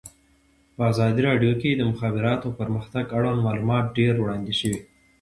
په ازادي راډیو کې د د مخابراتو پرمختګ اړوند معلومات ډېر وړاندې شوي.